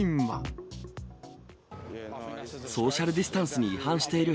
ソーシャルディスタンスに違反している。